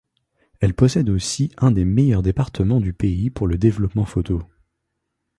Elle possède aussi un des meilleurs départements du pays pour le développement photo.